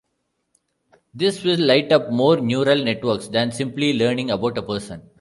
This will light up more neural networks than simply learning about a person.